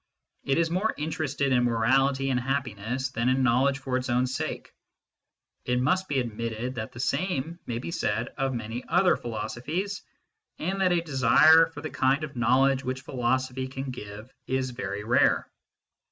It is more interested in morality and happiness than in knowledge for its own sake. It must be admitted that the same may be said of many other philosophies, and that a desire for the kind of knowledge which philo sophy can give is very rare.